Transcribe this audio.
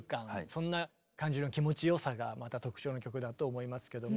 そんな感じの気持ちよさがまた特徴の曲だと思いますけども